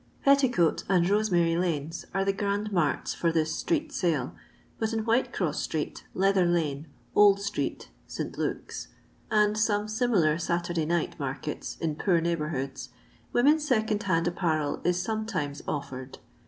Petticoat and Bosemary lanes are the grand marts for this street sale, but in Whitecross street. Leather lane, Old street (St Luke's), and some similar Saturday night markets in poor neighbourhoods, women's second hand apparel is sometimes offered.